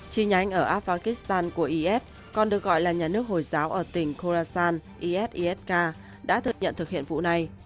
chi nhánh ở afghanistan của is còn được gọi là nhà nước hồi giáo ở tỉnh khorasan is isk đã thực hiện vụ này